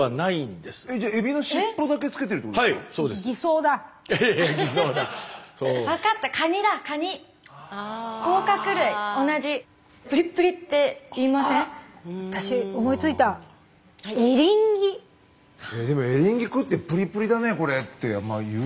でもエリンギ食って「プリプリだねこれ」って言う？